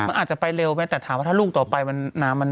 มันอาจจะไปเร็วไหมแต่ถามว่าถ้าลูกต่อไปมันน้ำมัน